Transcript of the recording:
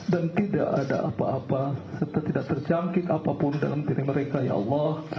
dan tidak ada apa apa serta tidak terjangkit apapun dalam diri mereka ya allah